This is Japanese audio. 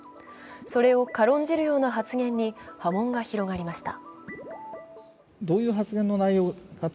それを軽んじるような発言に波紋が広がりました。